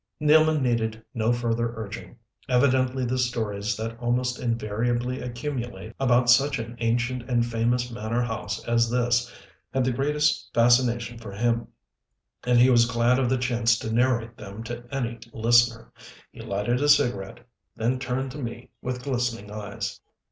Nealman needed no further urging. Evidently the old stories that almost invariably accumulate about such an ancient and famous manor house as this, had the greatest fascination for him; and he was glad of the chance to narrate them to any listener. He lighted a cigarette: then turned to me with glistening eyes.